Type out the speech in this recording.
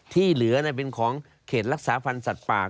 ที่เหลือเป็นของเขตรักษาพันธ์สัตว์ป่า